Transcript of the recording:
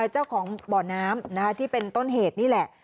เจ้าของบ่อน้ำที่เป็นต้นเหตุนี่แหละ